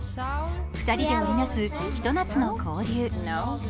２人で織り成すひと夏の交流。